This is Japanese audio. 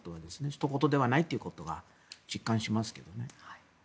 ひと事ではないということを実感しますけれどね。